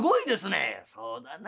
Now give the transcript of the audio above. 「そうだな。